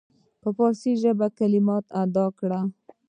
په فارسي ژبه کلمات ادا کړل.